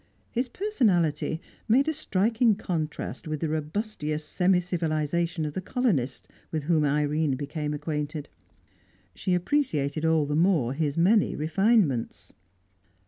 His personality made a striking contrast with the robustious semi civilisation of the colonists with whom Irene became acquainted; she appreciated all the more his many refinements.